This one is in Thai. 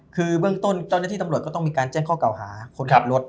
คือเบื้องต้นเจ้าหน้าที่ตำรวจก็ต้องมีการแจ้งข้อเก่าหาคนขับรถ